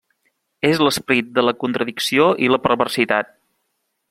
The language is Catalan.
És l'esperit de la contradicció i la perversitat.